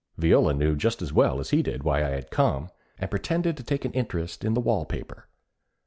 Viola knew just as well as he did why I had come, and pretended to take an interest in the wall paper.